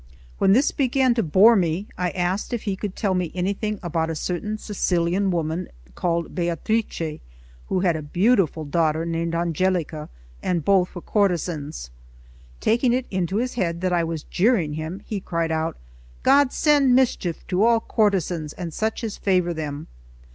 When this began to bore me, I asked if he could tell me anything about a certain Sicilian woman called Beatrice, who had a beautiful daughter named Angelica, and both were courtesans. Taking it into his head that I was jeering him, he cried out: "God send mischief to all courtesans and such as favour them!"